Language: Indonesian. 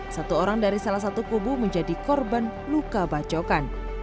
satu orang dari salah satu kubu menjadi korban luka bacokan